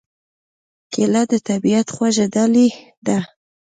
کېله د طبیعت خوږه ډالۍ ده.